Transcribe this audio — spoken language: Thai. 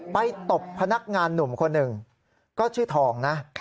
ตบพนักงานหนุ่มคนหนึ่งก็ชื่อทองนะ